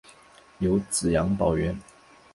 有子杨葆元。